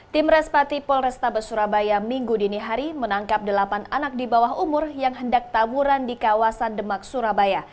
tim respati polrestabes surabaya minggu dini hari menangkap delapan anak di bawah umur yang hendak tawuran di kawasan demak surabaya